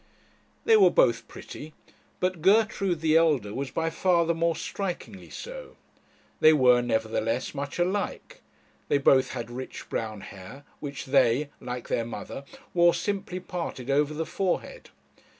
They were both pretty but Gertrude, the elder, was by far the more strikingly so. They were, nevertheless, much alike; they both had rich brown hair, which they, like their mother, wore simply parted over the forehead.